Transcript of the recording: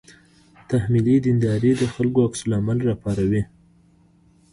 تحمیلي دینداري د خلکو عکس العمل راپاروي.